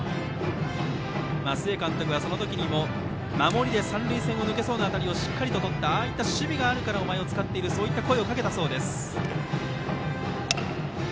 須江監督はその時にも三塁線を抜けそうな当たりをしっかり取ったああいった守備があるからお前を使っていると声をかけたそうです。